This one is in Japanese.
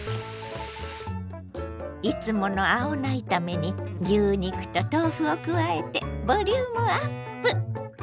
いつもの青菜炒めに牛肉と豆腐を加えてボリュームアップ。